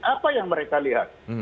apa yang mereka lihat